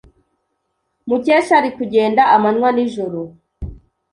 Mukesha ari kugenda amanywa n'ijoro.